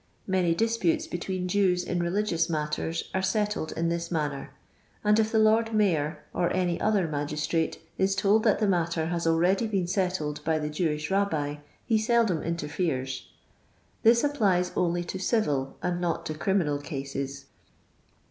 Many dis putes between Jews in religious matters are settled m this manner ; and if the Lord Mayor or any other magistrate is told that the matter has already been settled by the Jewish Rabbi he seldom in terferes. This applies only to civil and not to criminal cases.